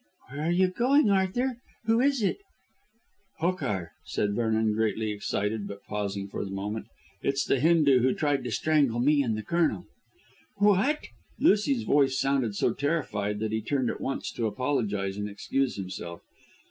"Where are you going, Arthur? Who is it?" "Hokar," said Vernon, greatly excited but pausing for a moment. "It's the Hindoo who tried to strangle me and the Colonel." "What?" Lucy's voice sounded so terrified that he turned at once to apologise and excuse himself.